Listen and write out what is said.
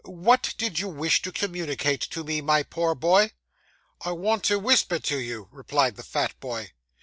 What did you wish to communicate to me, my poor boy?' 'I want to whisper to you,' replied the fat boy.